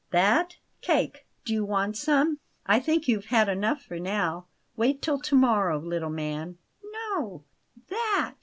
"That? Cake; do you want some? I think you've had enough for now. Wait till to morrow, little man." "No that!"